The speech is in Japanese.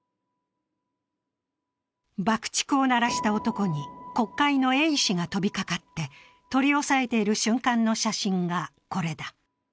爆竹を鳴らした男に国会の衛視が飛びかかって、取り押さえている瞬間の写真がこれだ。